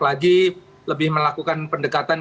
lagi lebih melakukan pendekatan